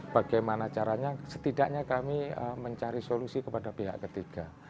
bagaimana caranya setidaknya kami mencari solusi kepada pihak ketiga